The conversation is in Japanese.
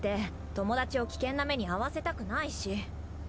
友達を危険な目に遭わせたくないし。